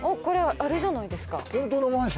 これあれじゃないですか。